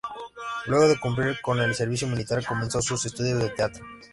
Luego de cumplir con el servicio militar comenzó sus estudios de teatro.